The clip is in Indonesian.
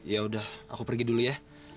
ya udah aku pergi dulu ya